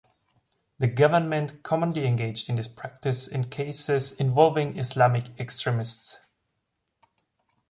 The government commonly engaged in this practice in cases involving Islamic extremists.